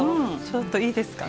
ちょっといいですか？